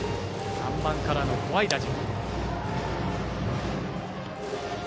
３番からの怖い打順。